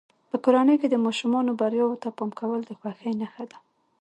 په کورنۍ کې د ماشومانو بریاوو ته پام کول د خوښۍ نښه ده.